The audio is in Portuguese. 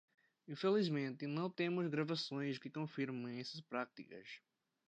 Infelizmente, não temos gravações que confirmem essas práticas.